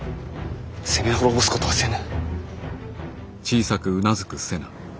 攻め滅ぼすことはせぬ。